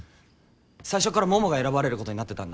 最初からももが選ばれることになってたんだ。